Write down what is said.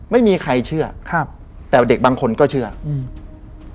ไม่มีใครเชื่อครับแต่เด็กบางคนก็เชื่ออืม